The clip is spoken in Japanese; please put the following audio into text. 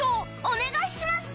お願いします。